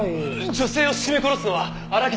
女性を絞め殺すのは荒木田の手口です。